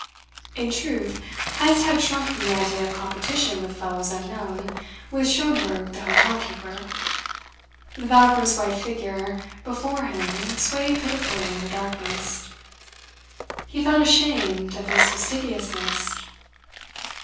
In truth, Heyst had shrunk from the idea of competition with fellows unknown, with Schomberg the hotel keeper. The vaporous white figure before him swayed pitifully in the darkness. He felt ashamed of his fastidiousness.